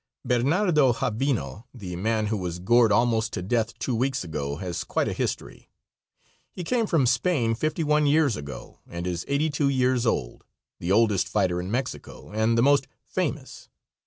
Bernardo Javino, the man who was gored almost to death two weeks ago, has quite a history. He came from Spain fifty one years ago, and is eighty two years old, the oldest fighter in Mexico, and the most famous.